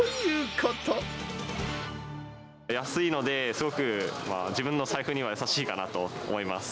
安いのですごく自分の財布には優しいかなと思います。